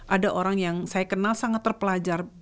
ada orang yang saya kenal sangat terpelajar